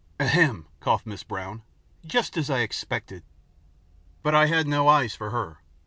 "Ahem!" coughed Mrs. Brown, "just as I expected!" But I had no eyes for her.